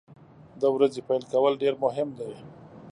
د ورځې پیل کول ډیر مهم دي.